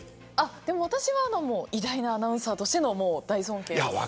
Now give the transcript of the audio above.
私は偉大なアナウンサーとしての大尊敬です。